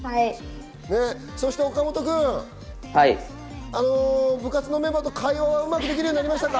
そして岡本君、部活のメンバーと会話はうまくできるようになりましたか？